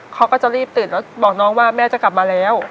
เขาก็จะรีบตื่นแล้วบอกน้องว่าแม่จะกลับมาแล้ว